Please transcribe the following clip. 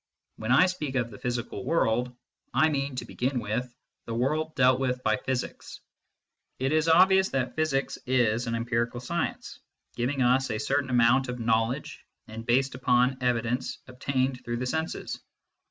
When I speak of the " physical world," I mean, to begin with, the world dealt with by physics. It is obvious that physics is an empirical science, giving us a certain amount of knowledge and based upon evidence obtained through the senses.